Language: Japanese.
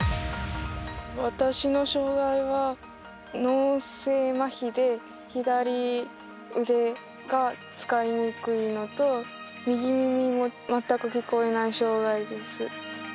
私の障がいは脳性まひで左腕が使いにくいのと右耳も全く聞こえない障がいです。